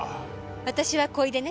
私は小出ね。